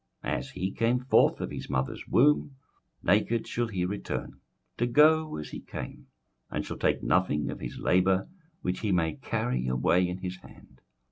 21:005:015 As he came forth of his mother's womb, naked shall he return to go as he came, and shall take nothing of his labour, which he may carry away in his hand.